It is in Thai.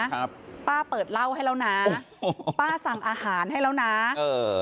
ครับป้าเปิดเหล้าให้แล้วนะป้าสั่งอาหารให้แล้วนะเออ